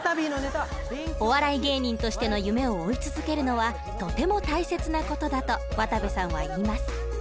お笑い芸人としての夢を追い続けるのはとても大切な事だと渡部さんは言います。